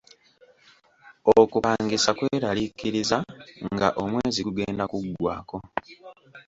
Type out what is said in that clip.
Okupangisa kweraliikiriza nga omwezi gugenda kuggwako.